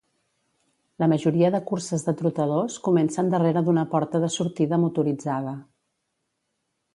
La majoria de curses de trotadors comencen darrere d'una porta de sortida motoritzada.